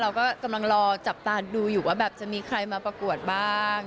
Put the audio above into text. เราก็กำลังรอจับตาดูอยู่ว่าแบบจะมีใครมาประกวดบ้าง